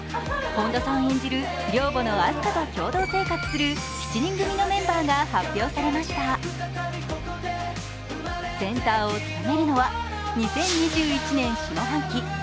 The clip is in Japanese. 本田さん演じる寮母のあす花と共同生活する７人組のメンバーが発表されましたセンターを務めるのは２０２１年下半期